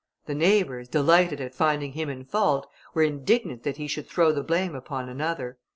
The neighbours, delighted at finding him in fault, were indignant that he should throw the blame upon another.